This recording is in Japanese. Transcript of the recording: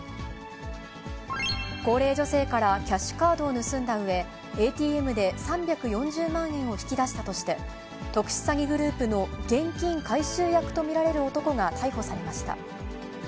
高齢女性からキャッシュカードを盗んだうえ、ＡＴＭで３４０万円を引き出したとして、特殊詐欺グループの現金回収役と見られる男が逮捕されました。